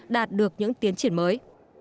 đạt được những tiến triển mới